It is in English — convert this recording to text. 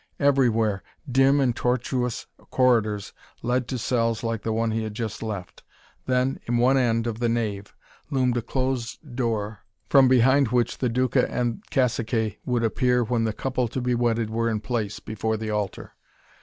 Everywhere, dim and tortuous corridors led to cells like the one he had just left. Then, in one end of the nave, loomed a closed door from behind which the Duca and caciques would appear when the couple to be wedded were in place, before the altar.